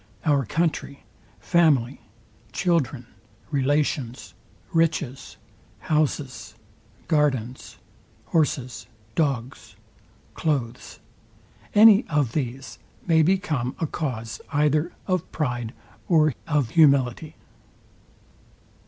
Our country, family, children, relations, riches, houses, gardens, horses, dogs, cloaths; any of these may become a cause either of pride or of humility.